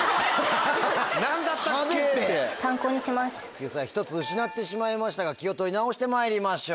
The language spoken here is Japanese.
救済１つ失ってしまいましたが気を取り直してまいりましょう。